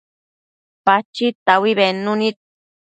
Pachid taui bednu nid